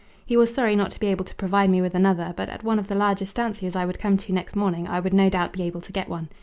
He was sorry not to be able to provide me with another, but at one of the large estancias I would come to next morning I would no doubt be able to get one.